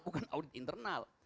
bukan audit internal